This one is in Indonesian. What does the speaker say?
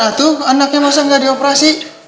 aduh anaknya masa gak dioperasi